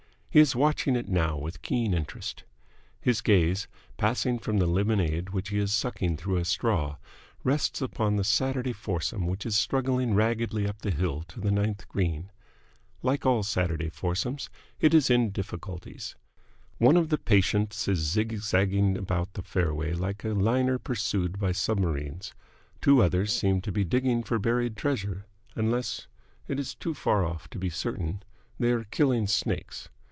He is watching it now with keen interest. His gaze, passing from the lemonade which he is sucking through a straw, rests upon the Saturday foursome which is struggling raggedly up the hill to the ninth green. Like all Saturday foursomes, it is in difficulties. One of the patients is zigzagging about the fairway like a liner pursued by submarines. Two others seem to be digging for buried treasure, unless it is too far off to be certain they are killing snakes.